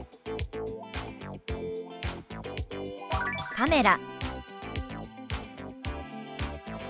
「カメラ」。